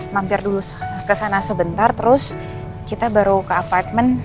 mampir dulu kesana sebentar terus kita baru ke apartemen